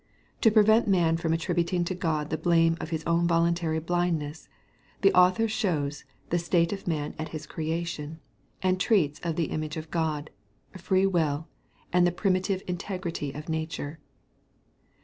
To prevent man from attributing to God the blame of his own voluntary blindness, the Author shows the state of man at his creation, and treats of the image of God, freewill, and the primative integrity of nature.